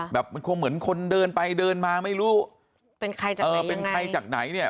แบบมันคงเหมือนคนเดินไปเดินมาไม่รู้เป็นใครจากเออเป็นใครจากไหนเนี่ย